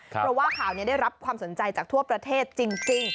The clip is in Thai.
เพราะว่าข่าวนี้ได้รับความสนใจจากทั่วประเทศจริง